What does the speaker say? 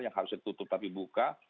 yang harus ditutup tapi buka